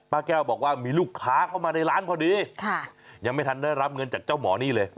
แก้วบอกว่ามีลูกค้าเข้ามาในร้านพอดียังไม่ทันได้รับเงินจากเจ้าหมอนี่เลย